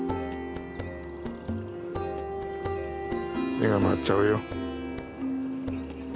目が回っちゃうよ。